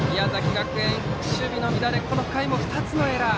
学園、守備の乱れこの回も２つのエラー。